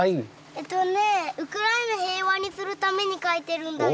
えっとねぇウクライナ平和にするために描いてるんだよ。